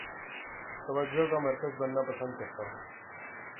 توجہ کا مرکز بننا پسند کرتا ہوں